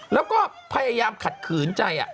แล้วก็พยายามขัดขืนใจ